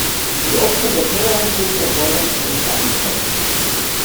Die Opfer der Terroranschläge erfordern von uns Einigkeit.